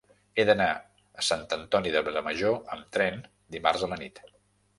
He d'anar a Sant Antoni de Vilamajor amb tren dimarts a la nit.